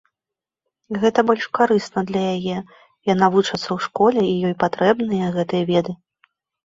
Гэта больш карысна для яе, яна вучыцца ў школе, і ёй патрэбныя гэтыя веды.